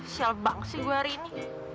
sial bang sih gue hari ini